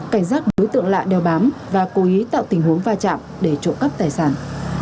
cảnh giác đối tượng lạ đeo bám và cố ý tạo tình huống va chạm để trộm cắp tài sản